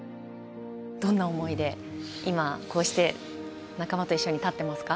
どんな思いで今、こうして仲間と一緒に立っていますか？